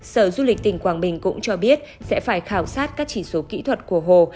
sở du lịch tỉnh quảng bình cũng cho biết sẽ phải khảo sát các chỉ số kỹ thuật của hồ